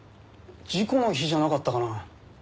事故の日じゃなかったかな。